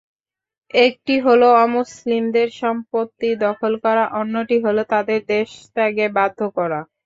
একটি হলো অমুসলিমদের সম্পত্তি দখল করা, অন্যটি হলো তাঁদের দেশত্যাগে বাধ্য করা।